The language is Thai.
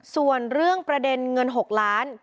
ส่วนเรื่องประเด็นเงิน๖ล้าน